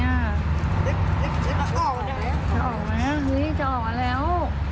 จะออกไหมเฮ้ยจะออกมาแล้ว